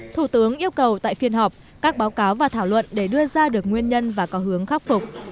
thủ tướng yêu cầu tại phiên họp các báo cáo và thảo luận để đưa ra được nguyên nhân và có hướng khắc phục